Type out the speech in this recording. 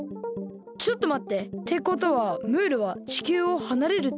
ちょっとまって。ってことはムールは地球をはなれるってこと？